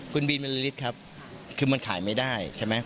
คุณบินเมลิลิตรครับคือมันขายไม่ได้ใช่ไหม